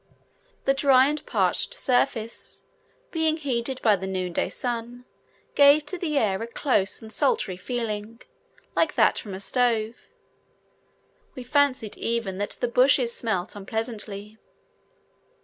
The dry and parched surface, being heated by the noon day sun, gave to the air a close and sultry feeling, like that from a stove: we fancied even that the bushes smelt unpleasantly.